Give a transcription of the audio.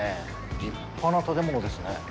立派な建物ですね。